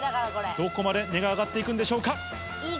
どこまで値が上がっていくんでしいい